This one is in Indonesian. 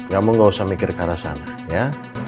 kamu gak usah mikir ke arah sana ya